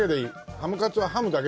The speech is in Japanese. ハムカツはハムだけでいい。